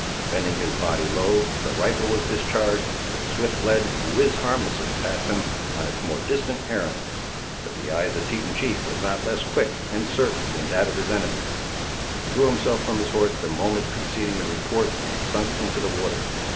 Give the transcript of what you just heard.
Bending his body low, the rifle was discharged, and the swift lead whizzed harmlessly past him, on its more distant errand. But the eye of the Teton chief was not less quick and certain than that of his enemy. He threw himself from his horse the moment preceding the report, and sunk into the water.